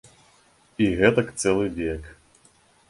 І гэтак цэлы век.